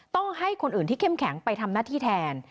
ต้องให้คนอื่นที่เข้มแข็งไปทำหน้าที่แทน